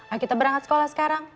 ayo kita berangkat sekolah sekarang